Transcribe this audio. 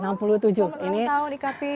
oh ulang tahun ikp